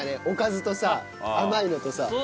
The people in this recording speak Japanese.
おかずとさ甘いのとさ。